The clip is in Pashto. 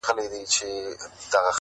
سهار زه ومه بدنام او دی نېکنامه,